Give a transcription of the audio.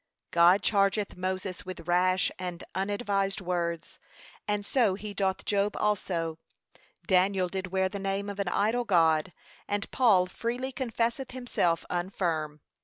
God chargeth Moses with rash and unadvised words, and so he doth Job also: Daniel did wear the name of an idol god, and Paul freely confesseth himself unfirm.